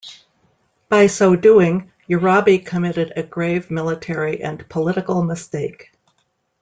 By so doing, Urabi committed a grave military and political mistake.